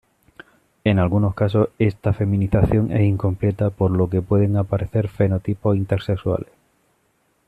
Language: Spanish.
En algunos casos esta feminización es incompleta por lo que pueden aparecer fenotipos intersexuales.